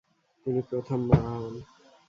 তিনি প্রথম মা হন।